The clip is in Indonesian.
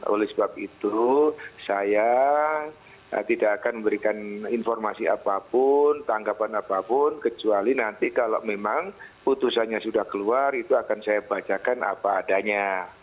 oleh sebab itu saya tidak akan memberikan informasi apapun tanggapan apapun kecuali nanti kalau memang putusannya sudah keluar itu akan saya bacakan apa adanya